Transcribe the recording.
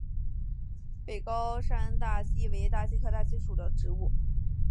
北高山大戟为大戟科大戟属的植物。